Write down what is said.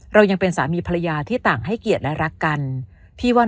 เรายังเป็นสามีภรรยาที่ต่างให้เกียรติและรักกันพี่วัน